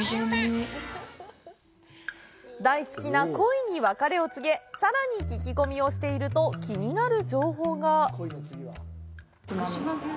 大好きな鯉に別れを告げ、さらに聞き込みをしていると気になる情報が。